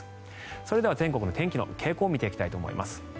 それでは全国の天気の傾向見ていきたいと思います。